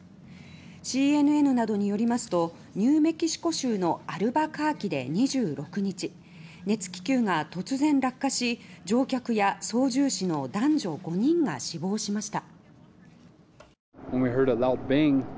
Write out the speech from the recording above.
ＣＮＮなどによりますとニューメキシコ州のアルバカーキで２６日熱気球が突然、落下し乗客や操縦士の男女５人が死亡しました。